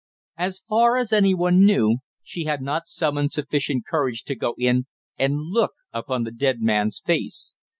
As far as anyone knew, she had not summoned sufficient courage to go in and look upon the dead man's face.